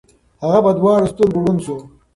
هغه په دواړو سترګو ړوند شو.